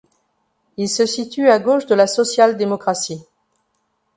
Il se situe à gauche de la social-démocratie.